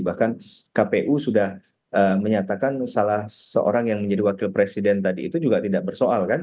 bahkan kpu sudah menyatakan salah seorang yang menjadi wakil presiden tadi itu juga tidak bersoal kan